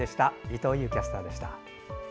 伊藤優キャスターでした。